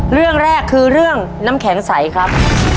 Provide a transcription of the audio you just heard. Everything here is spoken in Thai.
เรื่องแรกคือเรื่องน้ำแข็งใสครับ